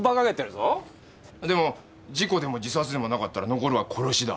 でも事故でも自殺でもなかったら残るは殺しだ。